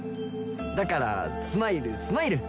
だからスマイルスマイル！